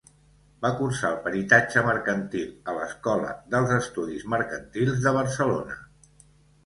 Va cursar el Peritatge Mercantil a l'Escola d'Alts Estudis Mercantils de Barcelona.